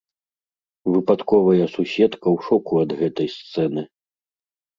Выпадковая суседка ў шоку ад гэтай сцэны.